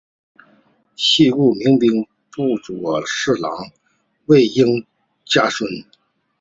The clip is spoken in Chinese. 系故明兵部左侍郎魏应嘉孙。